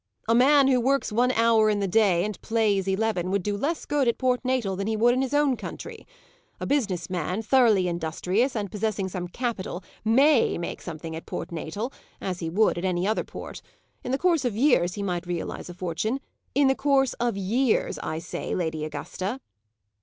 "A man who works one hour in the day, and plays eleven, would do less good at Port Natal than he would in his own country. A business man, thoroughly industrious, and possessing some capital, may make something at Port Natal, as he would at any other port. In the course of years he might realize a fortune in the course of years, I say, Lady Augusta."